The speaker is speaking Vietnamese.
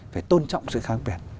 phải tôn trọng sự khác biệt